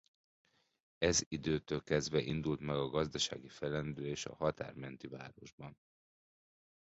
Ez időtől kezdve indult meg a gazdasági fellendülés a határ menti városban.